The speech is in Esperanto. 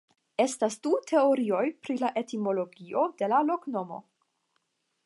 Estas du teorioj pri la etimologio de la loknomo.